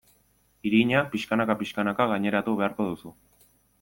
Irina pixkanaka-pixkanaka gaineratu beharko duzu.